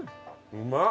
うまっ！